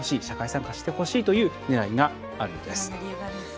社会参加してほしいというねらいがあるんです。